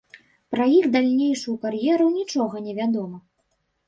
Пра іх далейшую кар'еру нічога не вядома.